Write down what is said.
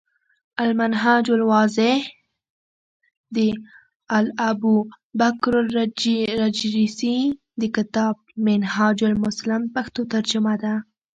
المنهاج الواضح، د الابوبکرالجريسي د کتاب “منهاج المسلم ” پښتو ترجمه ده ۔